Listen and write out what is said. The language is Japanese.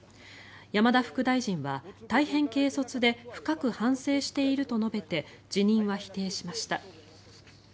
山田副大臣は大変軽率で深く反省していると述べて辞任は否定しました。